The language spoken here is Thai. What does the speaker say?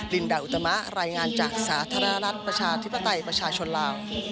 ลินดาอุตมะรายงานจากสาธารณรัฐประชาธิปไตยประชาชนลาว